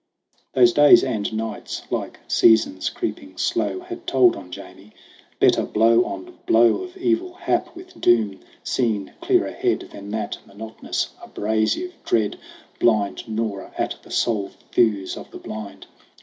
Those days and nights, like seasons creeping slow, Had told on Jamie. Better blow on blow Of evil hap, with doom seen clear ahead, Than that monotonous, abrasive dread, Blind gnawer at the soul thews of the blind.